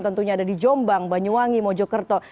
tentunya ada di jombang banyuwangi mojokerto